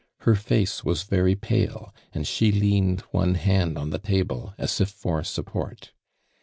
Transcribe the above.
Her face was very pale and . lie leaned one hand on the table as if for .Tiipport.